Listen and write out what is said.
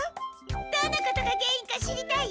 どんなことが原因か知りたい？